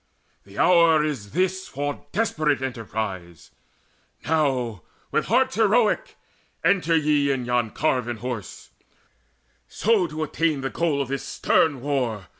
The hour Is this for desperate emprise: now, with hearts Heroic, enter ye yon carven horse, So to attain the goal of this stern war.